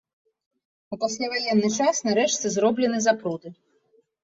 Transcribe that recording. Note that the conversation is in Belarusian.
У пасляваенны час на рэчцы зроблены запруды.